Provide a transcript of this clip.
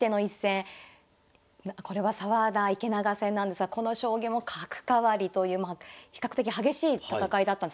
これは澤田・池永戦なんですがこの将棋も角換わりという比較的激しい戦いだった。